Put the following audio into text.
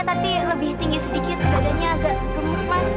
tapi lebih tinggi sedikit badannya agak gemuk mas